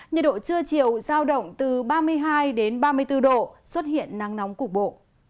nhiệt độ trưa chiều giao động từ ba mươi hai ba mươi bốn độ xuất hiện nắng nóng cục bộ